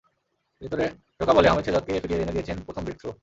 ভেতরে ঢোকা বলে আহমেদ শেহজাদকে ফিরিয়ে এনে দিয়েছেন প্রথম ব্রেক থ্রু।